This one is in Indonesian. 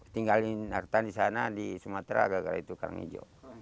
tinggalin artan di sana di sumatera gara gara itu kerang hijau